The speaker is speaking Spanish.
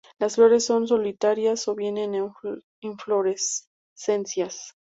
Las flores son solitarias o vienen en inflorescencias.